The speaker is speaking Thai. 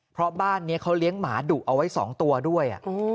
เพราะบ้านนี้เขาเลี้ยงหมาดุเอาไว้๒ตัวด้วย